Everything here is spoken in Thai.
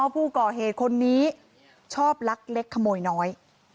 ผู้ก่อเหตุคนนี้ชอบลักเล็กขโมยน้อย